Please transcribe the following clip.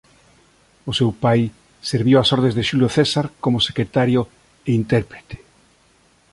O seu pai serviu ás ordes de Xulio César como secretario e intérprete.